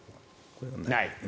ない。